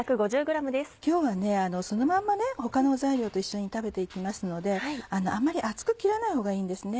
今日はそのまんま他の材料と一緒に食べて行きますのであんまり厚く切らないほうがいいんですね。